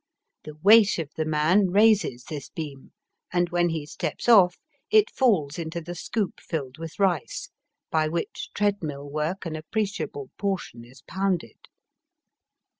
The weight of the man raises this beam, and when he steps off it falls into the scoop filled with rice, by which treadmill work an appreciable portion is pounded.